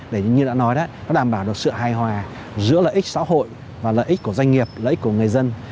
để như đã nói đó nó đảm bảo được sự hài hòa giữa lợi ích xã hội và lợi ích của doanh nghiệp lợi ích của người dân